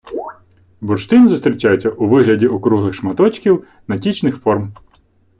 Бурштин зустрічається у вигляді округлих шматочків, натічних форм